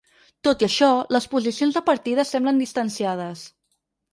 Tot i això, les posicions de partida semblen distanciades.